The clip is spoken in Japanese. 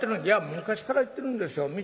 「いや昔から言ってるんですよ。